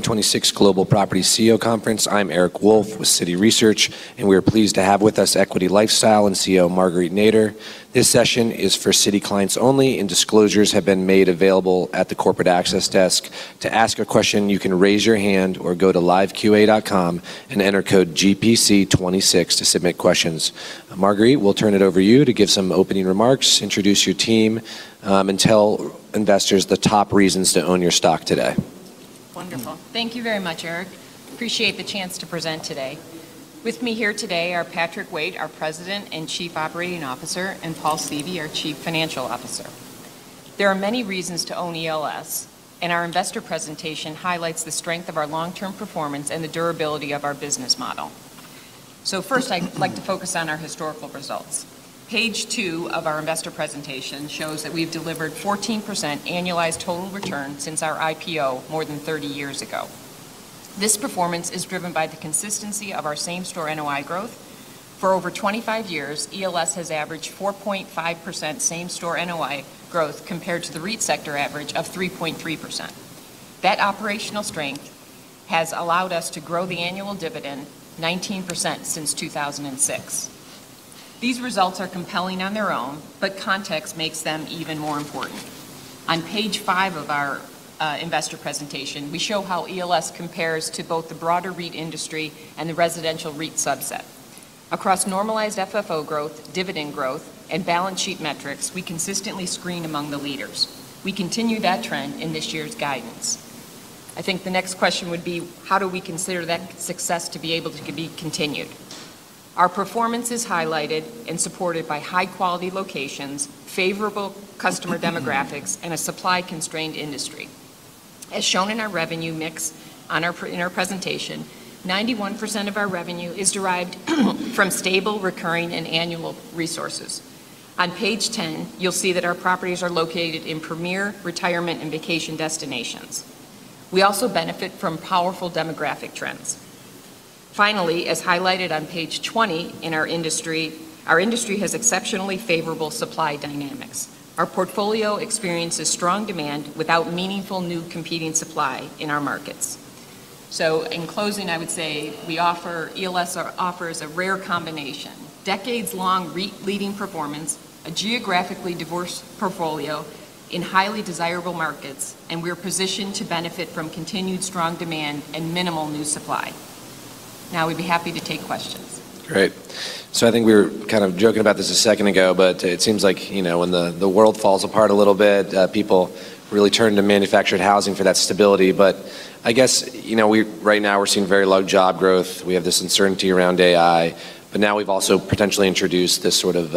2026 Global Property CEO Conference. I'm Eric Wolfe with Citi Research, and we are pleased to have with us Equity LifeStyle and CEO Marguerite Nader. This session is for Citi clients only, and disclosures have been made available at the corporate access desk. To ask a question, you can raise your hand or go to liveqa.com and enter code GPC26 to submit questions. Marguerite, we'll turn it over to you to give some opening remarks, introduce your team, and tell investors the top reasons to own your stock today. Wonderful. Thank you very much, Eric. Appreciate the chance to present today. With me here today are Patrick Waite, our President and Chief Operating Officer, and Paul Seavey, our Chief Financial Officer. There are many reasons to own ELS, and our investor presentation highlights the strength of our long-term performance and the durability of our business model. First, I'd like to focus on our historical results. Page 2 of our investor presentation shows that we've delivered 14% annualized total return since our IPO more than 30 years ago. This performance is driven by the consistency of our same-store NOI growth. For over 25 years, ELS has averaged 4.5% same-store NOI growth compared to the REIT sector average of 3.3%. That operational strength has allowed us to grow the annual dividend 19% since 2006. These results are compelling on their own, but context makes them even more important. On page 5 of our investor presentation, we show how ELS compares to both the broader REIT industry and the residential REIT subset. Across Normalized FFO growth, dividend growth, and balance sheet metrics, we consistently screen among the leaders. We continue that trend in this year's guidance. I think the next question would be, how do we consider that success to be able to be continued? Our performance is highlighted and supported by high-quality locations, favorable customer demographics, and a supply-constrained industry. As shown in our revenue mix in our presentation, 91% of our revenue is derived from stable, recurring, and annual resources. On page 10, you'll see that our properties are located in premier retirement and vacation destinations. We also benefit from powerful demographic trends. Finally, as highlighted on page 20 in our industry, our industry has exceptionally favorable supply dynamics. Our portfolio experiences strong demand without meaningful new competing supply in our markets. In closing, I would say ELS offers a rare combination, decades-long REIT-leading performance, a geographically diverse portfolio in highly desirable markets, and we're positioned to benefit from continued strong demand and minimal new supply. We'd be happy to take questions. Great. I think we were kind of joking about this a second ago, but it seems like, you know, when the world falls apart a little bit, people really turn to manufactured housing for that stability. I guess, you know, right now we're seeing very low job growth. We have this uncertainty around AI, but now we've also potentially introduced this sort of,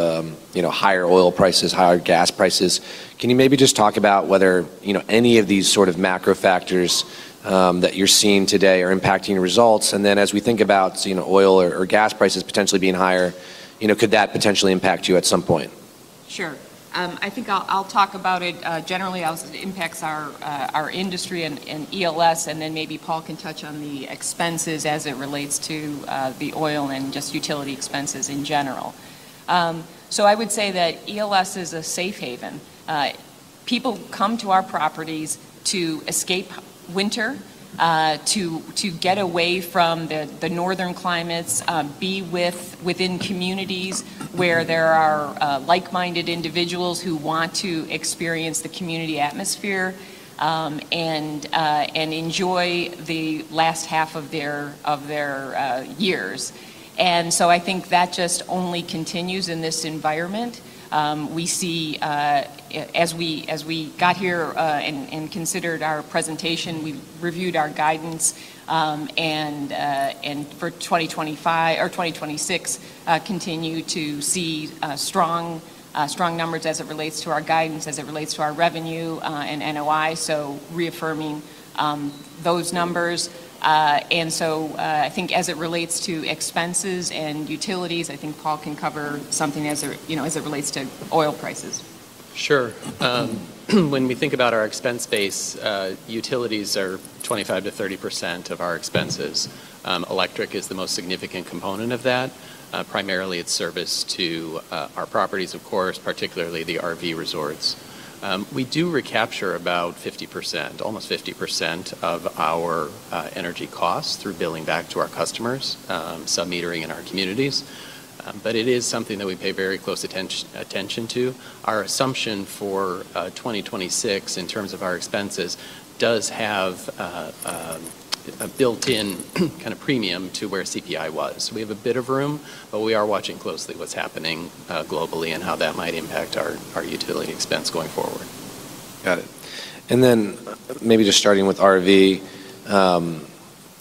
you know, higher oil prices, higher gas prices. Can you maybe just talk about whether, you know, any of these sort of macro factors that you're seeing today are impacting your results? As we think about, you know, oil or gas prices potentially being higher, you know, could that potentially impact you at some point? Sure. I think I'll talk about it generally as it impacts our industry and ELS, then maybe Paul can touch on the expenses as it relates to the oil and just utility expenses in general. I would say that ELS is a safe haven. People come to our properties to escape winter, to get away from the Northern climates, within communities where there are like-minded individuals who want to experience the community atmosphere, and enjoy the last half of their years. I think that just only continues in this environment. We see as we got here and considered our presentation, we reviewed our guidance, and for 2026, continue to see strong numbers as it relates to our guidance, as it relates to our revenue, and NOI, so reaffirming those numbers. I think as it relates to expenses and utilities, I think Paul can cover something as it, you know, as it relates to oil prices. Sure. When we think about our expense base, utilities are 25%-30% of our expenses. Electric is the most significant component of that. Primarily it's service to our properties, of course, particularly the RV resorts. We do recapture about 50%, almost 50% of our energy costs through billing back to our customers, sub-metering in our communities. It is something that we pay very close attention to. Our assumption for 2026 in terms of our expenses does have a built-in kind of premium to where CPI was. We have a bit of room, but we are watching closely what's happening globally and how that might impact our utility expense going forward. Got it. Maybe just starting with RV,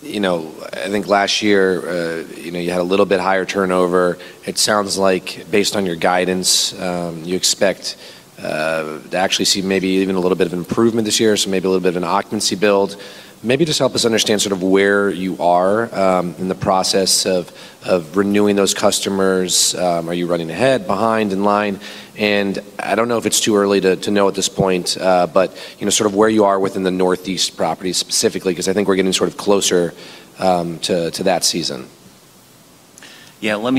you know, I think last year, you know, you had a little bit higher turnover. It sounds like based on your guidance, you expect to actually see maybe even a little bit of improvement this year, so maybe a little bit of an occupancy build. Maybe just help us understand sort of where you are in the process of renewing those customers. Are you running ahead, behind, in line? I don't know if it's too early to know at this point, but, you know, sort of where you are within the Northeast properties specifically, because I think we're getting sort of closer to that season. Let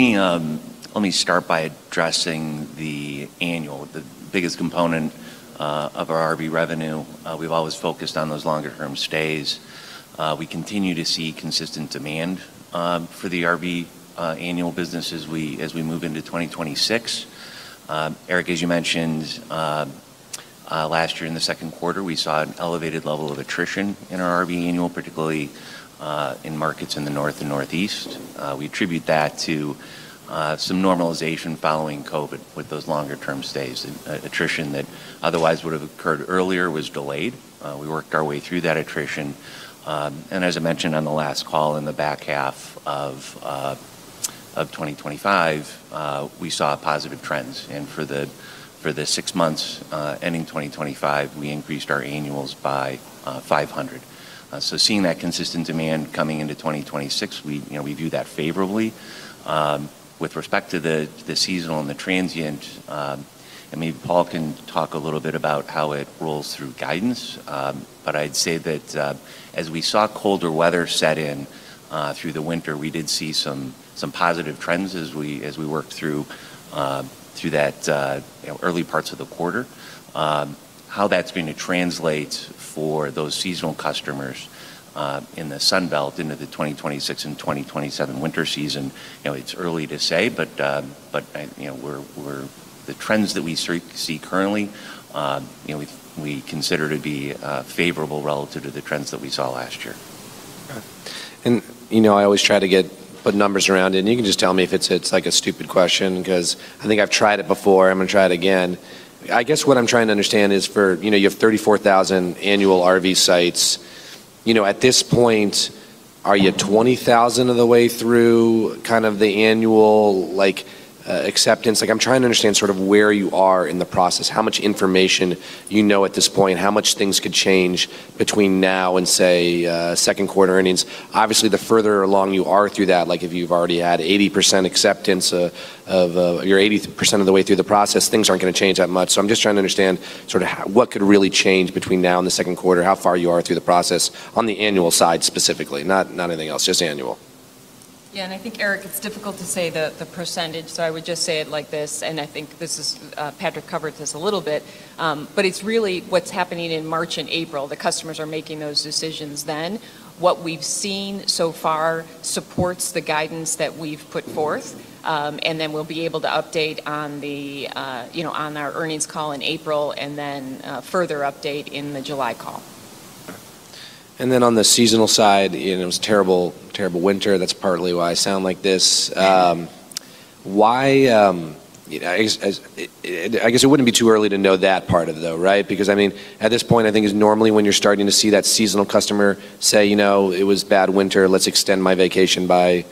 me start by addressing the annual, the biggest component of our RV revenue. We've always focused on those longer term stays. We continue to see consistent demand for the RV annual business as we move into 2026. Eric, as you mentioned, last year in the second quarter, we saw an elevated level of attrition in our RV annual, particularly in markets in the North and Northeast. We attribute that to some normalization following COVID with those longer term stays. Attrition that otherwise would have occurred earlier was delayed. We worked our way through that attrition. As I mentioned on the last call, in the back half of 2025, we saw positive trends. For the, for the six months ending 2025, we increased our annuals by 500. Seeing that consistent demand coming into 2026, we, you know, we view that favorably. With respect to the seasonal and the transient, maybe Paul can talk a little bit about how it rolls through guidance. I'd say that as we saw colder weather set in through the winter, we did see some positive trends as we worked through that, you know, early parts of the quarter. How that's going to translate for those seasonal customers, in the Sun Belt into the 2026 and 2027 winter season, you know, it's early to say, but I, you know, The trends that we see currently, you know, we consider to be favorable relative to the trends that we saw last year. Okay. You know, I always try to get, put numbers around it, and you can just tell me if it's like a stupid question because I think I've tried it before, I'm gonna try it again. I guess what I'm trying to understand is for, you know, you have 34,000 annual RV sites. You know, at this point, are you 20,000 of the way through kind of the annual, like, acceptance? Like, I'm trying to understand sort of where you are in the process, how much information you know at this point, how much things could change between now and, say, second quarter earnings. Obviously, the further along you are through that, like if you've already had 80% acceptance, of, you're 80% of the way through the process, things aren't gonna change that much. I'm just trying to understand sort of what could really change between now and the second quarter, how far you are through the process on the annual side specifically, not anything else, just annual. Yeah. I think, Eric, it's difficult to say the percentage, so I would just say it like this, and I think this is, Patrick covered this a little bit. It's really what's happening in March and April. The customers are making those decisions then. What we've seen so far supports the guidance that we've put forth. We'll be able to update on the, you know, on our earnings call in April and then, further update in the July call. On the seasonal side, you know, it was a terrible winter. That's partly why I sound like this. Why, I guess it wouldn't be too early to know that part of it though, right? I mean, at this point I think it's normally when you're starting to see that seasonal customer say, "You know, it was bad winter. Let's extend my vacation by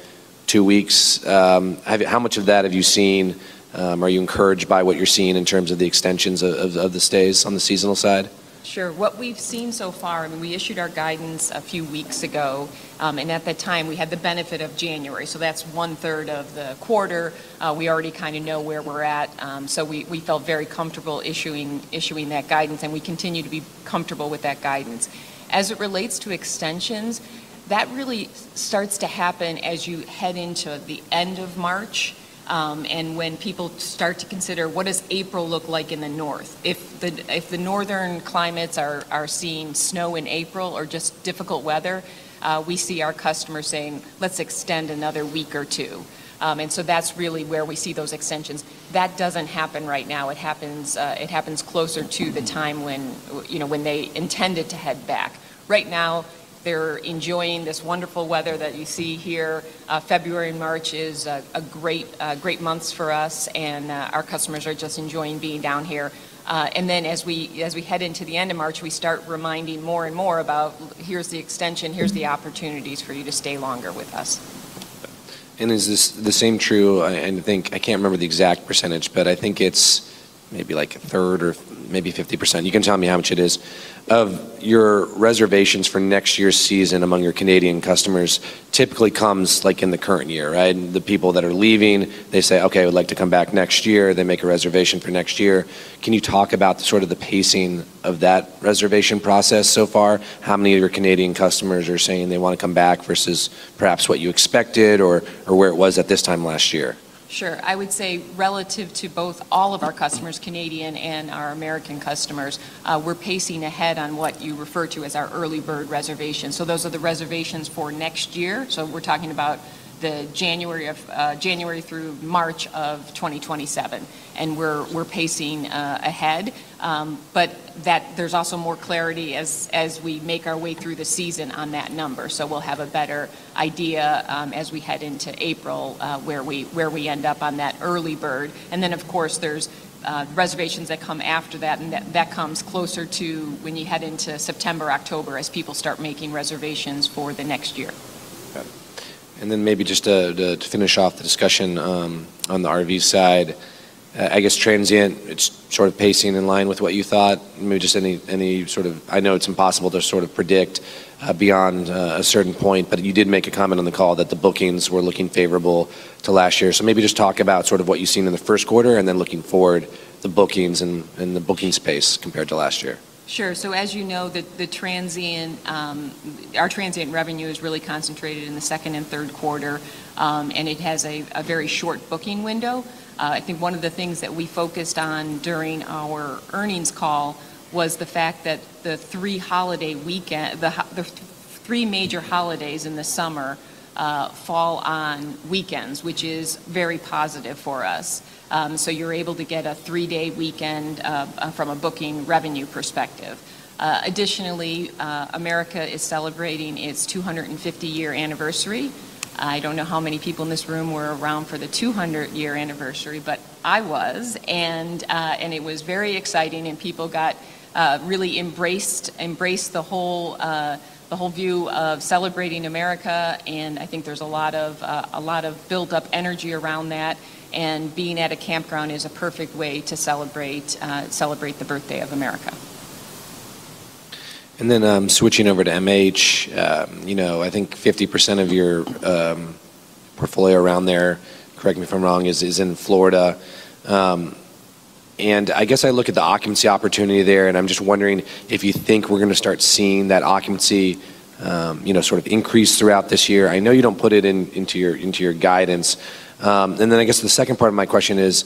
two weeks." How much of that have you seen? Are you encouraged by what you're seeing in terms of the extensions of the stays on the seasonal side? Sure. What we've seen so far, I mean, we issued our guidance a few weeks ago. At that time we had the benefit of January, so that's one-third of the quarter. We already kinda know where we're at. We felt very comfortable issuing that guidance, and we continue to be comfortable with that guidance. As it relates to extensions, that really starts to happen as you head into the end of March, and when people start to consider what does April look like in the North. If the Northern climates are seeing snow in April or just difficult weather, we see our customers saying, "Let's extend another week or two." That's really where we see those extensions. That doesn't happen right now. It happens closer to the time when, you know, when they intended to head back. Right now, they're enjoying this wonderful weather that you see here. February and March is a great months for us and our customers are just enjoying being down here. As we head into the end of March, we start reminding more and more about here's the extension, here's the opportunities for you to stay longer with us. Is this the same true, I think, I can't remember the exact percentage, but I think it's maybe like 1/3 or maybe 50%? You can tell me how much it is. Of your reservations for next year's season among your Canadian customers typically comes like in the current year, right? The people that are leaving, they say, "Okay, I would like to come back next year," they make a reservation for next year. Can you talk about sort of the pacing of that reservation process so far? How many of your Canadian customers are saying they wanna come back versus perhaps what you expected or where it was at this time last year? Sure. I would say relative to both all of our customers, Canadian and our American customers, we're pacing ahead on what you refer to as our early bird reservations. Those are the reservations for next year. We're talking about the January of January through March of 2027, and we're pacing ahead. That there's also more clarity as we make our way through the season on that number. We'll have a better idea as we head into April where we end up on that early bird. Of course there's reservations that come after that and that comes closer to when you head into September, October as people start making reservations for the next year. Okay. Then maybe just to finish off the discussion on the RV side. I guess transient, it's sort of pacing in line with what you thought. Maybe just any sort of... I know it's impossible to sort of predict beyond a certain point, but you did make a comment on the call that the bookings were looking favorable to last year. Maybe just talk about sort of what you've seen in the first quarter and then looking forward the bookings and the booking space compared to last year. Sure. As you know, the transient, our transient revenue is really concentrated in the second and third quarter. It has a very short booking window. I think one of the things that we focused on during our earnings call was the fact that the three holiday weekend, the three major holidays in the summer, fall on weekends, which is very positive for us. You're able to get a three-day weekend, from a booking revenue perspective. Additionally, America is celebrating its 250-year anniversary. I don't know how many people in this room were around for the 200-year anniversary, but I was. It was very exciting. People got really embraced the whole view of celebrating America. I think there's a lot of, a lot of built-up energy around that. Being at a campground is a perfect way to celebrate the birthday of America. Then, switching over to MH, you know, I think 50% of your portfolio around there, correct me if I'm wrong, is in Florida. I guess I look at the occupancy opportunity there, and I'm just wondering if you think we're gonna start seeing that occupancy, you know, sort of increase throughout this year. I know you don't put it into your guidance. Then I guess the second part of my question is,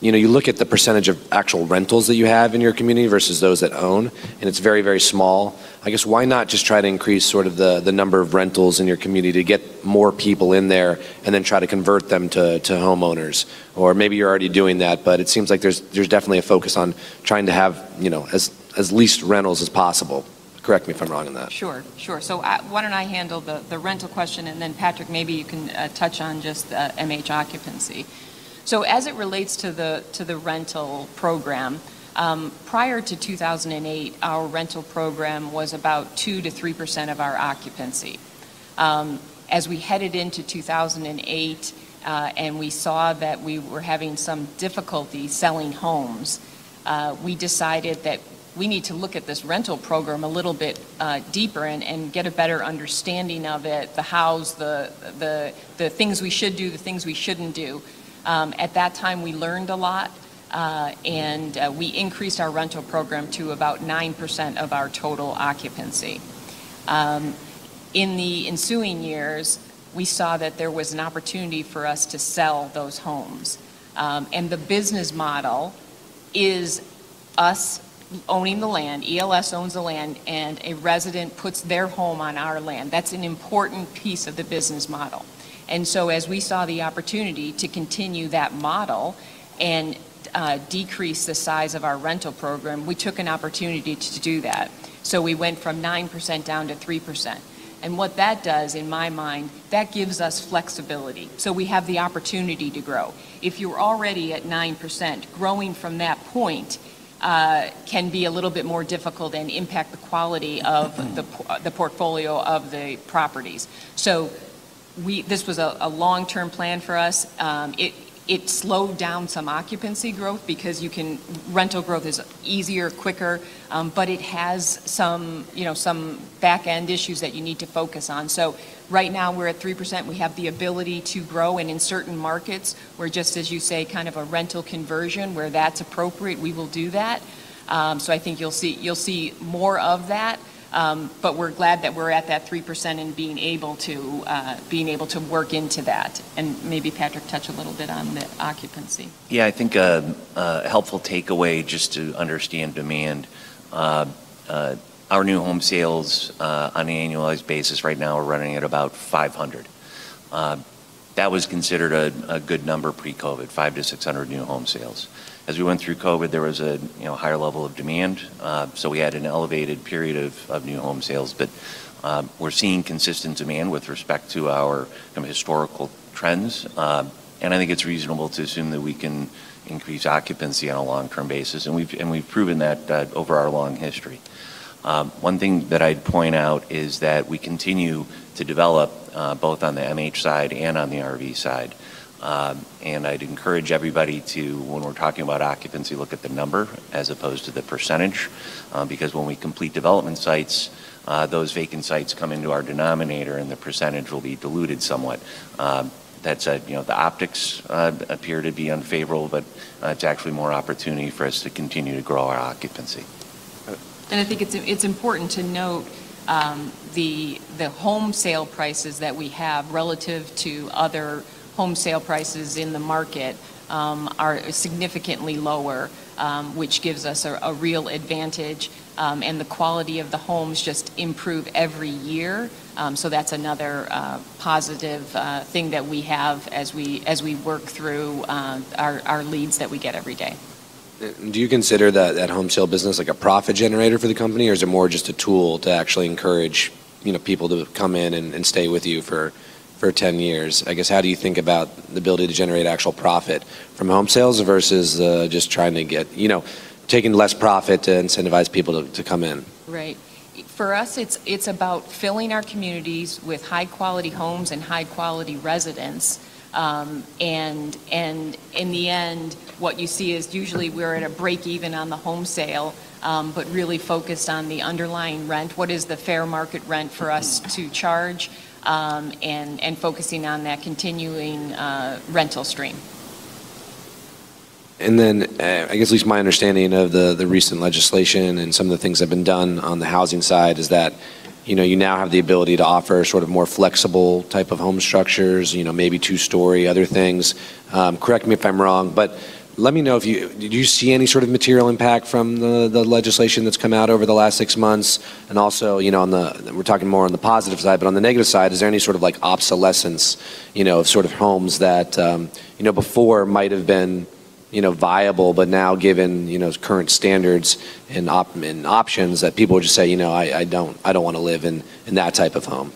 you know, you look at the percentage of actual rentals that you have in your community versus those that own, and it's very small. I guess why not just try to increase sort of the number of rentals in your community to get more people in there and then try to convert them to homeowners? Maybe you're already doing that, but it seems like there's definitely a focus on trying to have, you know, as least rentals as possible. Correct me if I'm wrong on that? Sure. Sure. Why don't I handle the rental question, and then Patrick, maybe you can touch on just MH occupancy. As it relates to the rental program, prior to 2008, our rental program was about 2%-3% of our occupancy. As we headed into 2008, and we saw that we were having some difficulty selling homes, we decided that we need to look at this rental program a little bit deeper and get a better understanding of it, the hows, the things we should do, the things we shouldn't do. At that time, we learned a lot, and we increased our rental program to about 9% of our total occupancy. In the ensuing years, we saw that there was an opportunity for us to sell those homes. The business model is us owning the land, ELS owns the land, and a resident puts their home on our land. That's an important piece of the business model. As we saw the opportunity to continue that model and decrease the size of our rental program, we took an opportunity to do that. We went from 9% down to 3%. What that does, in my mind, that gives us flexibility, so we have the opportunity to grow. If you're already at 9%, growing from that point, can be a little bit more difficult and impact the quality of the portfolio of the properties. This was a long-term plan for us. It slowed down some occupancy growth because Rental growth is easier, quicker, but it has some, you know, some back-end issues that you need to focus on. Right now, we're at 3%. We have the ability to grow, and in certain markets, we're just, as you say, kind of a rental conversion. Where that's appropriate, we will do that. I think you'll see more of that. We're glad that we're at that 3% and being able to work into that. Maybe Patrick, touch a little bit on the occupancy. Yeah. I think a helpful takeaway just to understand demand, our new home sales on an annualized basis right now are running at about 500. That was considered a good number pre-COVID, 500-600 new home sales. As we went through COVID, there was, you know, higher level of demand, so we had an elevated period of new home sales. We're seeing consistent demand with respect to our kind of historical trends, and I think it's reasonable to assume that we can increase occupancy on a long-term basis, and we've proven that over our long history. One thing that I'd point out is that we continue to develop both on the MH side and on the RV side. I'd encourage everybody to, when we're talking about occupancy, look at the number as opposed to the percentage, because when we complete development sites, those vacant sites come into our denominator, and the percentage will be diluted somewhat. That said, you know, the optics appear to be unfavorable, but it's actually more opportunity for us to continue to grow our occupancy. All right. I think it's important to note, the home sale prices that we have relative to other home sale prices in the market, are significantly lower, which gives us a real advantage, and the quality of the homes just improve every year. That's another positive thing that we have as we work through, our leads that we get every day. Do you consider that home sale business like a profit generator for the company, or is it more just a tool to actually encourage, you know, people to come in and stay with you for 10 years? I guess, how do you think about the ability to generate actual profit from home sales versus just trying to get, you know, taking less profit to incentivize people to come in? Right. For us, it's about filling our communities with high-quality homes and high-quality residents, and in the end, what you see is usually we're at a break even on the home sale, but really focused on the underlying rent, what is the fair market rent for us to charge, and focusing on that continuing rental stream. I guess at least my understanding of the recent legislation and some of the things that have been done on the housing side is that, you know, you now have the ability to offer sort of more flexible type of home structures, you know, maybe two-storey, other things. Correct me if I'm wrong, but let me know if you, did you see any sort of material impact from the legislation that's come out over the last six months? Also, you know, on the, we're talking more on the positive side, but on the negative side, is there any sort of like obsolescence, you know, sort of homes that, you know, before might've been, you know, viable, but now given, you know, current standards and options that people would just say, you know, I don't want to live in that type of home.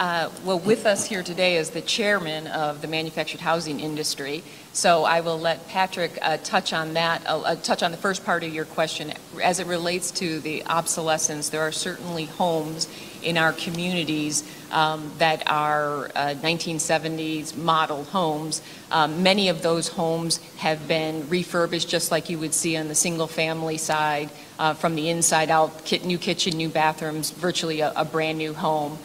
Right. Well, with us here today is the chairman of the manufactured housing industry. I will let Patrick touch on that, touch on the first part of your question as it relates to the obsolescence. There are certainly homes in our communities that are 1970s model homes. Many of those homes have been refurbished just like you would see on the single family side from the inside out, new kitchen, new bathrooms, virtually a brand new home.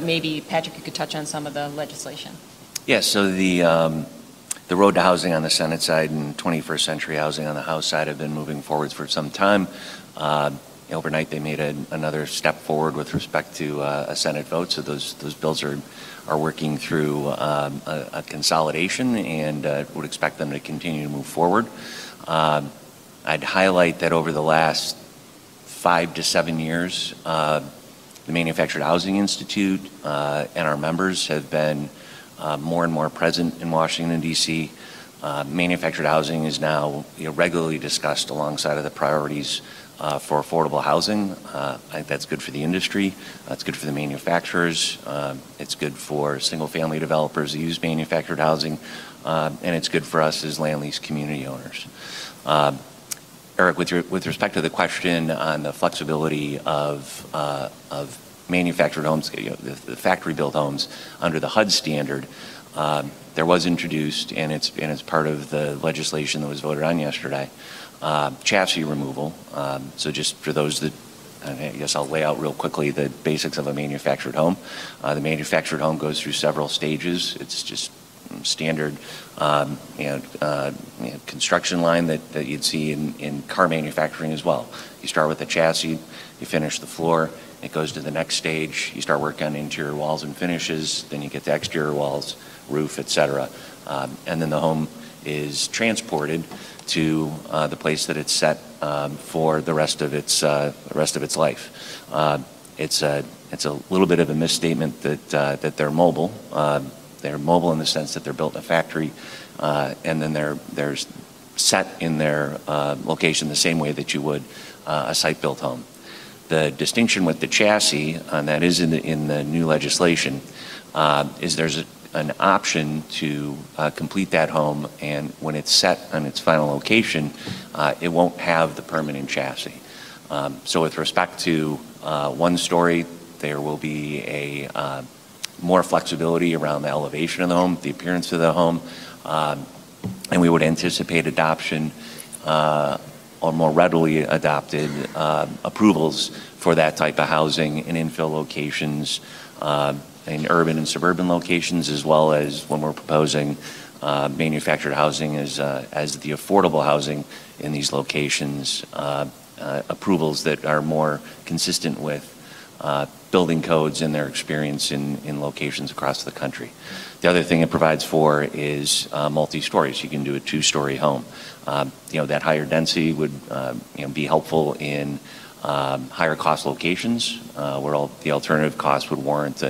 Maybe Patrick, you could touch on some of the legislation. Yes. The Road to Housing on the Senate side and 21st Century Housing on the House side have been moving forward for some time. Overnight, they made another step forward with respect to a Senate vote. Those bills are working through a consolidation and would expect them to continue to move forward. I'd highlight that over the last five to seven years, the Manufactured Housing Institute and our members have been more and more present in Washington, D.C. Manufactured housing is now regularly discussed alongside of the priorities for affordable housing. I think that's good for the industry. That's good for the manufacturers. It's good for single family developers who use manufactured housing. It's good for us as land lease community owners. Eric, with respect to the question on the flexibility of manufactured homes, the factory built homes under the HUD standard, there was introduced, and it's part of the legislation that was voted on yesterday, chassis removal. Just for those that, I guess I'll lay out real quickly the basics of a manufactured home. The manufactured home goes through several stages. It's just standard construction line that you'd see in car manufacturing as well. You start with the chassis. You finish the floor. It goes to the next stage. You start working on interior walls and finishes. You get the exterior walls, roof, et cetera. The home is transported to the place that it's set for the rest of its life. It's a little bit of a misstatement that they're mobile. They're mobile in the sense that they're built in a factory. They're set in their location the same way that you would a site-built home. The distinction with the chassis, and that is in the new legislation, is there's an option to complete that home. When it's set on its final location, it won't have the permanent chassis. With respect to one-story, there will be more flexibility around the elevation of the home, the appearance of the home. We would anticipate adoption or more readily adopted approvals for that type of housing in infill locations, in urban and suburban locations, as well as when we're proposing manufactured housing as the affordable housing in these locations, approvals that are more consistent with building codes and their experience in locations across the country. The other thing it provides for is multi-stories. You can do a two-story home. You know, that higher density would be helpful in higher cost locations where the alternative cost would warrant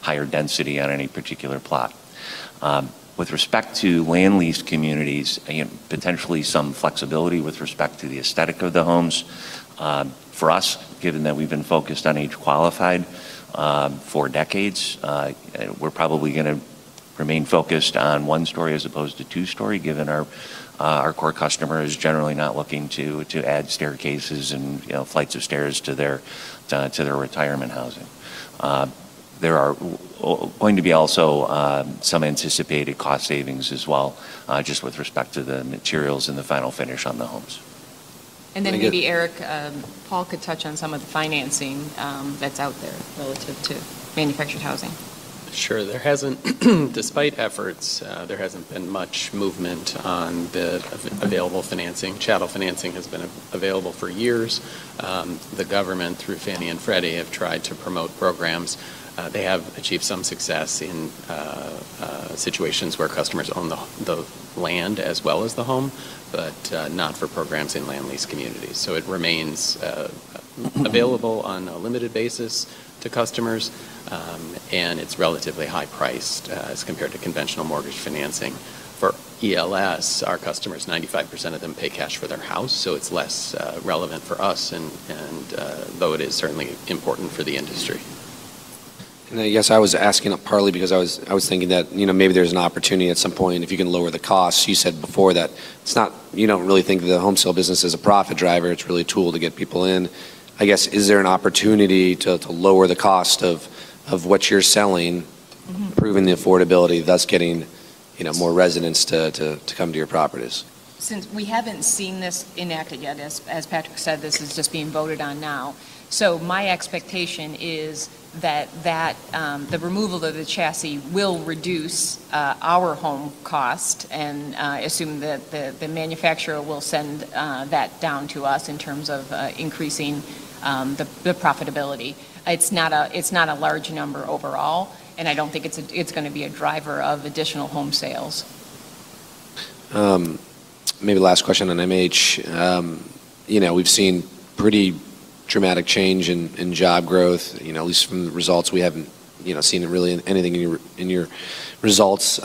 a higher density on any particular plot. With respect to land lease communities and potentially some flexibility with respect to the aesthetic of the homes, for us, given that we've been focused on age qualified for decades, we're probably going to remain focused on one-storey as opposed to two-storey, given our core customer is generally not looking to add staircases and flights of stairs to their retirement housing. There are going to be also some anticipated cost savings as well, just with respect to the materials and the final finish on the homes. Maybe, Eric, Paul could touch on some of the financing that's out there relative to manufactured housing. Sure. There hasn't, despite efforts, there hasn't been much movement on the available financing. Chattel financing has been available for years. The government, through Fannie and Freddie, have tried to promote programs. They have achieved some success in situations where customers own the land as well as the home, not for programs in land lease communities. It remains available on a limited basis to customers, and it's relatively high priced as compared to conventional mortgage financing. For ELS, our customers, 95% of them pay cash for their house, it's less relevant for us, though it is certainly important for the industry. I guess I was asking partly because I was thinking that maybe there's an opportunity at some point if you can lower the cost. You said before that you don't really think of the home sale business as a profit driver. It's really a tool to get people in. I guess, is there an opportunity to lower the cost of what you're selling, improving the affordability, thus getting, you know, more residents to come to your properties? Since we haven't seen this enacted yet, as Patrick said, this is just being voted on now. My expectation is that the removal of the chassis will reduce our home cost and assume that the manufacturer will send that down to us in terms of increasing the profitability. It's not a large number overall, and I don't think it's gonna be a driver of additional home sales. Maybe last question on MH. You know, we've seen pretty dramatic change in job growth, you know, at least from the results we haven't, you know, seen really anything in your, in your results.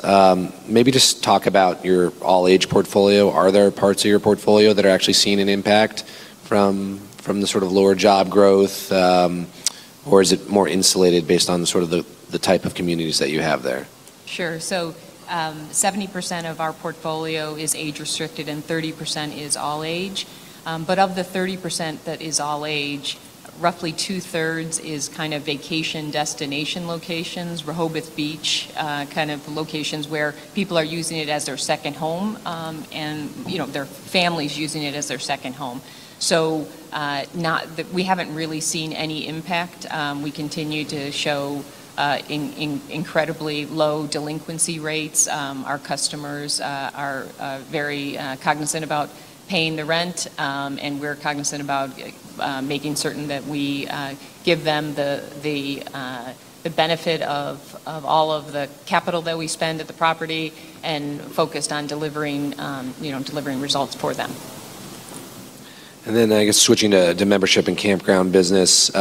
Maybe just talk about your all-age portfolio. Are there parts of your portfolio that are actually seeing an impact from the sort of lower job growth? Or is it more insulated based on sort of the type of communities that you have there? Sure. 70% of our portfolio is age restricted and 30% is all age. Of the 30% that is all age, roughly two-thirds is kind of vacation destination locations, Rehoboth Beach, kind of locations where people are using it as their second home, and, you know, their families using it as their second home. We haven't really seen any impact. We continue to show incredibly low delinquency rates. Our customers are very cognizant about paying the rent, and we're cognizant about making certain that we give them the benefit of all of the capital that we spend at the property and focused on delivering, you know, delivering results for them. I guess switching to membership and campground business.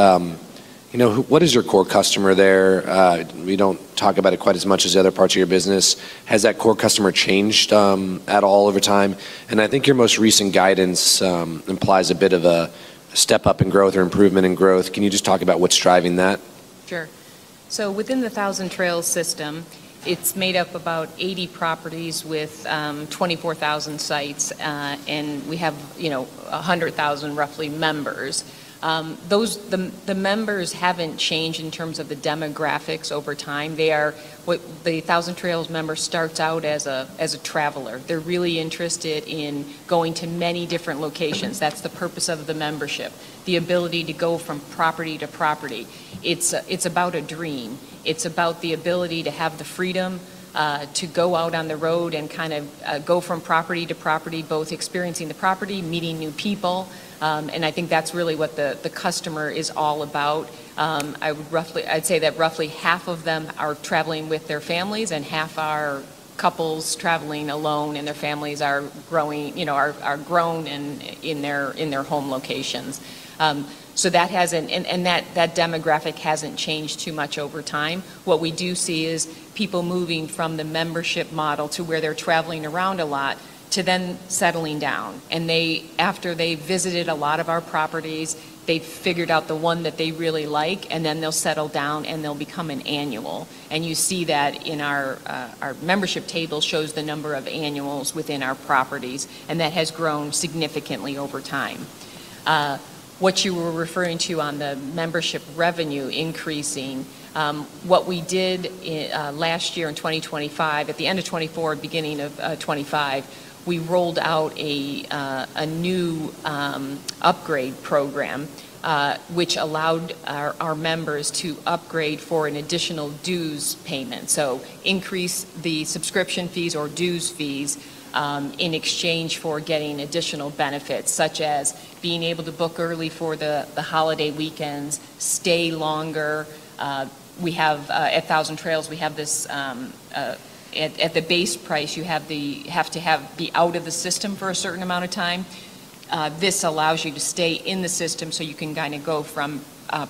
You know, what is your core customer there? We don't talk about it quite as much as the other parts of your business. Has that core customer changed at all over time? I think your most recent guidance implies a bit of a step up in growth or improvement in growth. Can you just talk about what's driving that? Sure. Within the Thousand Trails system, it's made up of about 80 properties with 24,000 sites, and we have, you know, 100,000 roughly members. The, the members haven't changed in terms of the demographics over time. The Thousand Trails member starts out as a, as a traveler. They're really interested in going to many different locations. That's the purpose of the membership, the ability to go from property to property. It's, it's about a dream. It's about the ability to have the freedom to go out on the road and kind of go from property to property, both experiencing the property, meeting new people. I think that's really what the customer is all about. I'd say that roughly half of them are traveling with their families and half are couples traveling alone, and their families are growing, you know, are grown in their, in their home locations. That demographic hasn't changed too much over time. What we do see is people moving from the membership model to where they're traveling around a lot to then settling down. They, after they visited a lot of our properties, they figured out the one that they really like, and then they'll settle down, and they'll become an annual. You see that in our membership table shows the number of annuals within our properties, and that has grown significantly over time. What you were referring to on the membership revenue increasing, what we did last year in 2025, at the end of 24, beginning of 25, we rolled out a new upgrade program, which allowed our members to upgrade for an additional dues payment. Increase the subscription fees or dues fees, in exchange for getting additional benefits, such as being able to book early for the holiday weekends, stay longer. We have at Thousand Trails, we have this at the base price you have to be out of the system for a certain amount of time. This allows you to stay in the system, you can kinda go from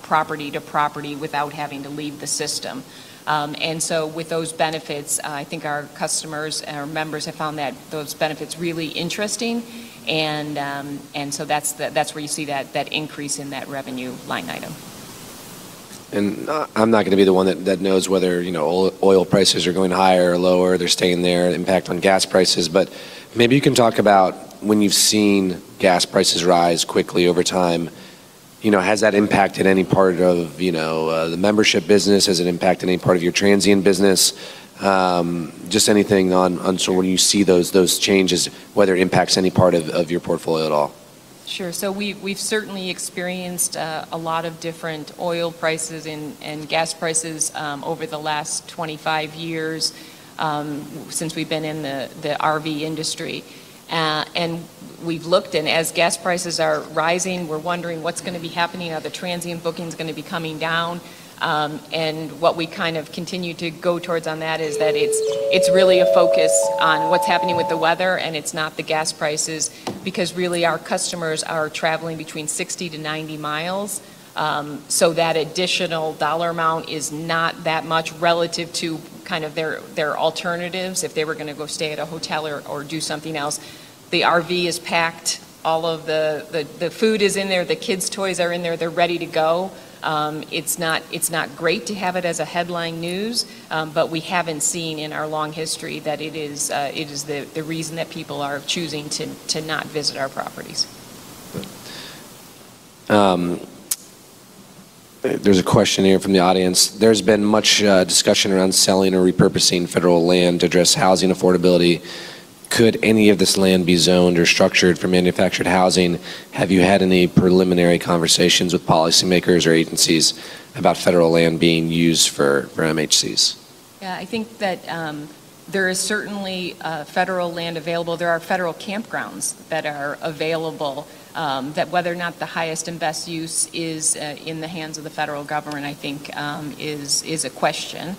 property to property without having to leave the system. With those benefits, I think our customers and our members have found those benefits really interesting. That's where you see that increase in that revenue line item. I'm not gonna be the one that knows whether, you know, oil prices are going higher or lower, they're staying there, impact on gas prices. Maybe you can talk about when you've seen gas prices rise quickly over time, you know, has that impacted any part of, you know, the membership business? Has it impacted any part of your transient business? Just anything on sort of when you see those changes, whether it impacts any part of your portfolio at all. Sure. We've certainly experienced a lot of different oil prices and gas prices over the last 25 years since we've been in the RV industry. We've looked, as gas prices are rising, we're wondering what's gonna be happening. Are the transient bookings gonna be coming down? What we kind of continue to go towards on that is that it's really a focus on what's happening with the weather, and it's not the gas prices, because really our customers are traveling between 60-90 mi. That additional dollar amount is not that much relative to kind of their alternatives if they were gonna go stay at a hotel or do something else. The RV is packed. All of the food is in there. The kids' toys are in there. They're ready to go. It's not great to have it as a headline news, but we haven't seen in our long history that it is the reason that people are choosing to not visit our properties. There's a question here from the audience. There's been much discussion around selling or repurposing federal land to address housing affordability. Could any of this land be zoned or structured for manufactured housing? Have you had any preliminary conversations with policymakers or agencies about federal land being used for MHCs? Yeah, I think that there is certainly federal land available. There are federal campgrounds that are available, that whether or not the highest and best use is in the hands of the federal government, I think, is a question.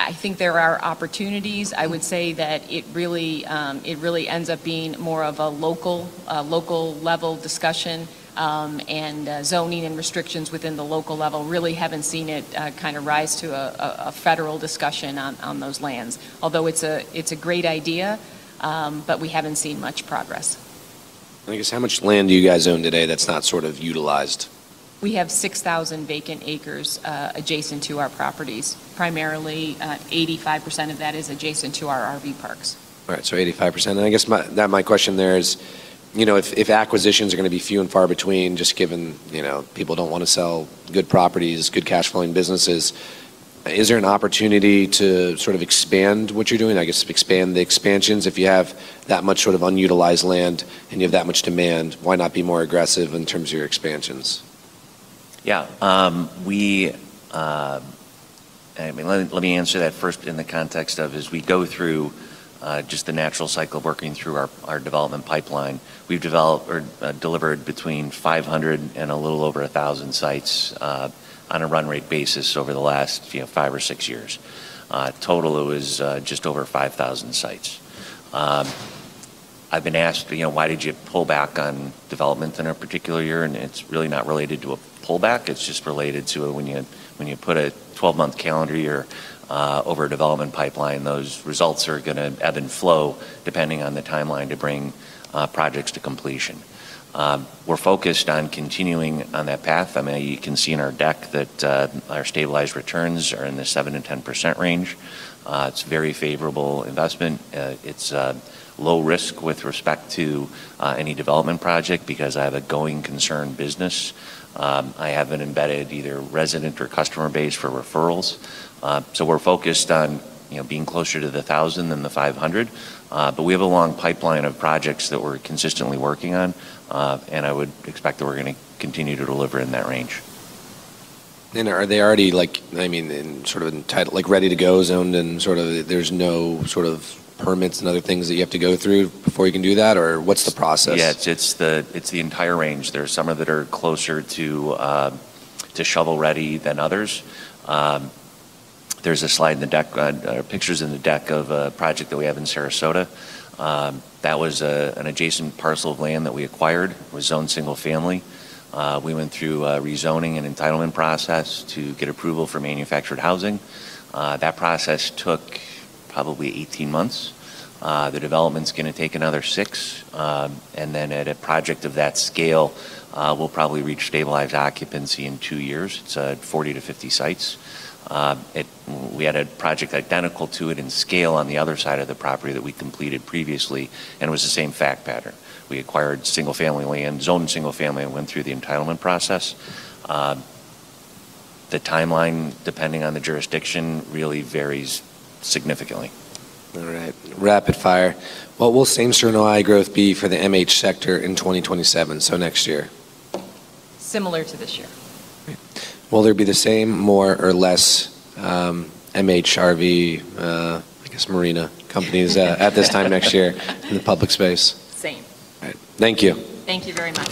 I think there are opportunities. I would say that it really ends up being more of a local level discussion, and zoning and restrictions within the local level. Really haven't seen it kind of rise to a federal discussion on those lands. Although it's a great idea, but we haven't seen much progress. I guess, how much land do you guys own today that's not sort of utilized? We have 6,000 vacant acres, adjacent to our properties. Primarily, 85% of that is adjacent to our RV parks. All right, 85%. I guess my question there is, you know, if acquisitions are gonna be few and far between, just given, you know, people don't wanna sell good properties, good cash flowing businesses, is there an opportunity to sort of expand what you're doing? I guess expand the expansions. If you have that much sort of unutilized land, and you have that much demand, why not be more aggressive in terms of your expansions? Yeah. I mean, let me answer that first in the context of as we go through, just the natural cycle of working through our development pipeline. We've developed or, delivered between 500 and a little over 1,000 sites, on a run rate basis over the last, you know, five or six years. Total is, just over 5,000 sites. I've been asked, you know, "Why did you pull back on development in a particular year?" It's really not related to a pullback. It's just related to when you, when you put a 12-month calendar year, over a development pipeline, those results are gonna ebb and flow depending on the timeline to bring, projects to completion. We're focused on continuing on that path. I mean, you can see in our deck that our stabilized returns are in the 7%-10% range. It's very favorable investment. It's low risk with respect to any development project because I have a going concern business. I have an embedded either resident or customer base for referrals. We're focused on, you know, being closer to the 1,000 than the 500. We have a long pipeline of projects that we're consistently working on. I would expect that we're gonna continue to deliver in that range. Are they already, like, I mean, in sort of like, ready to go, zoned, and sort of there's no sort of permits and other things that you have to go through before you can do that? What's the process? Yeah, it's the, it's the entire range. There are some that are closer to shovel-ready than others. There's a slide in the deck, pictures in the deck of a project that we have in Sarasota. That was an adjacent parcel of land that we acquired. It was zoned single family. We went through a rezoning and entitlement process to get approval for manufactured housing. That process took probably 18 m onths. The development's gonna take another six. Then at a project of that scale, we'll probably reach stabilized occupancy in 2 years. It's 40 to 50 sites. We had a project identical to it in scale on the other side of the property that we completed previously, and it was the same fact pattern. We acquired single family land, zoned single family, and went through the entitlement process. The timeline, depending on the jurisdiction, really varies significantly. All right. Rapid fire. What will Same-Store NOI growth be for the MH sector in 2027, so next year? Similar to this year. Will there be the same, more, or less, MH, RV, I guess marina companies at this time next year in the public space? Same. All right. Thank you. Thank you very much.